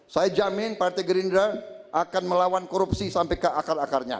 saya jamin partai gerindra akan melawan korupsi sampai ke akal akarnya